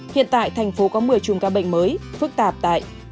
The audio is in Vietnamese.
hiện tại thành phố có một mươi chùm ca bệnh mới phức tạp tại